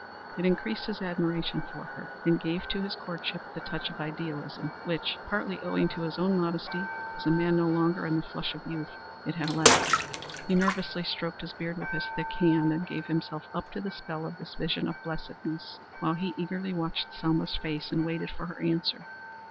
It increased his admiration for her, and gave to his courtship, the touch of idealism which partly owing to his own modesty as a man no longer in the flush of youth it had lacked. He nervously stroked his beard with his thick hand, and gave himself up to the spell of this vision of blessedness while he eagerly watched Selma's face and waited for her answer.